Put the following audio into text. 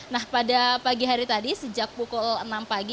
nah pada pagi hari tadi sejak pukul enam pagi